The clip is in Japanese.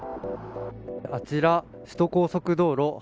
あちら首都高速道路